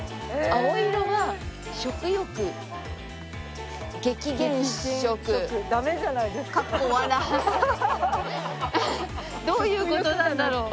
「青色は食欲激減色」どういう事なんだろう？